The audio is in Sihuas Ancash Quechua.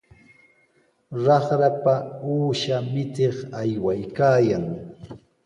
Raqrapa uusha michiq aywaykaayan.